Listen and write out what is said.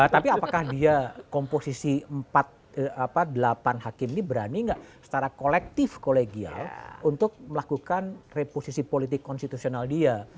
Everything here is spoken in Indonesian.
tapi apakah dia komposisi delapan hakim ini berani nggak secara kolektif kolegial untuk melakukan reposisi politik konstitusional dia